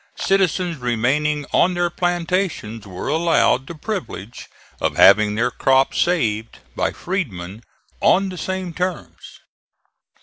Citizens remaining on their plantations were allowed the privilege of having their crops saved by freedmen on the same terms.